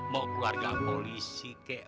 mau keluarga polisi kek